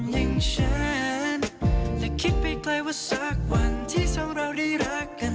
และคิดไปไกลว่าสักวันที่สองเราได้รักกัน